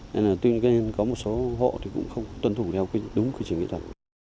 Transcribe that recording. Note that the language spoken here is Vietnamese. nên là tuy nhiên có một số hộ thì cũng không tuân thủ đúng quy trình kỹ thuật